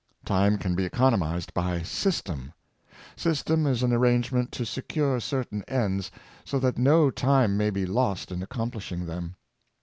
Time can be economized by system. System is an arrangernent to secure certain ends, so that no time may be lost in accomplishing them.